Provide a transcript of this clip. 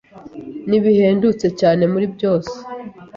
Nibihendutse cyane muri byose.